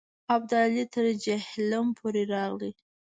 ابدالي تر جیهلم پورې راغی.